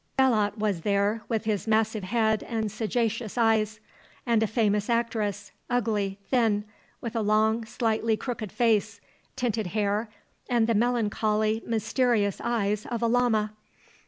Belot was there, with his massive head and sagacious eyes; and a famous actress, ugly, thin, with a long, slightly crooked face, tinted hair, and the melancholy, mysterious eyes of a llama.